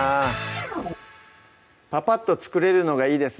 ぱぱっと作れるのがいいですね